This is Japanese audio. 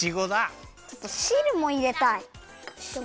ちょっとしるもいれたい！